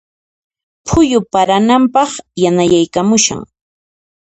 Phuyu parananpaq yanayaykamushan.